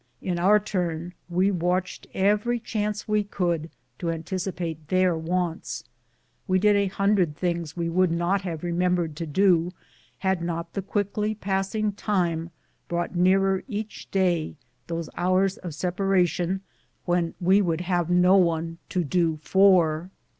In our turn we watched every chance we could to anticipate their wants. "We did a hundred things we would not have remembered to do had not the quickly passing time brought nearer each day those hours of separation when we would have no one to do for.